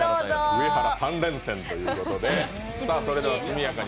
上はら３連戦ということで。